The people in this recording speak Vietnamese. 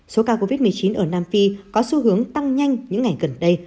số ca covid một mươi chín ở nam phi có xu hướng tăng nhanh những ngày gần đây